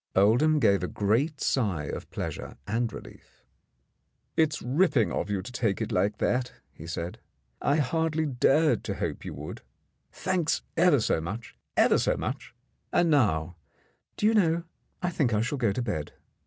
Oldham gave a great sigh of pleasure and relief. "It's ripping of you to take it like that," he said. "I hardly dared to hope you would. Thanks ever so much — ever so much ! And now, do you know, I think I shall go to bed.